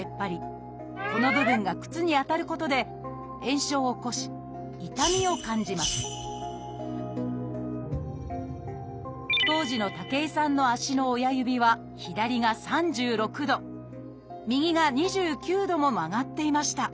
この部分が靴に当たることで炎症を起こし痛みを感じます当時の武井さんの足の親指は左が３６度右が２９度も曲がっていました。